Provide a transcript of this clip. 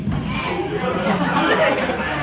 ไม่มีอย่างนี้